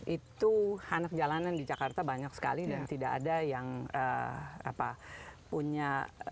itu anak jalanan di jakarta banyak sekali dan tidak ada yang punya